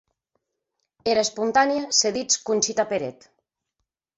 Era esponanèa se dits Conxita Peret.